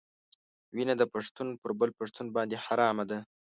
وینه د پښتون پر بل پښتون باندې حرامه ده.